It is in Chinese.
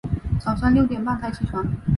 早上六点半才起床